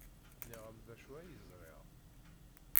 Nniɣ-am d acu ay ẓriɣ.